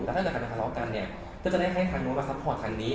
ถ้าเกิดอาจจะทะเลาะกันเนี่ยก็จะได้ให้ทางนู้นมาซัพพอร์ตทางนี้